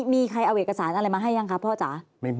มีใครเอาเอกสารอะไรมาให้ยังคะพ่อจ๋า